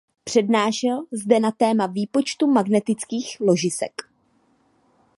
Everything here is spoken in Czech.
Přednášel zde na téma výpočtu magnetických ložisek.